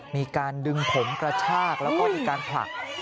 มีการดึงผมกระชากแล้วก็มีการผลัก